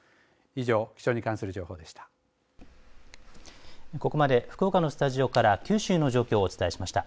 以上、気象に関する情報でした。